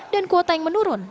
dan kuota yang menurun